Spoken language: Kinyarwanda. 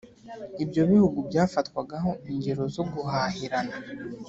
Ibyo bihugu byafatwagaho ingero zo guhahirana